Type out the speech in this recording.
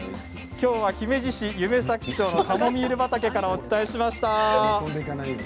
姫路市夢前町カモミール畑からお伝えしました。